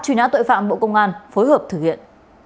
truy nã tội phạm bộ công an phối hợp thực hiện